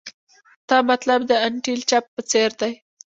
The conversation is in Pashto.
تا مطلب د انټیل چپ په څیر دی